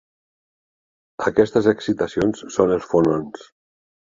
Aquestes excitacions són els fonons.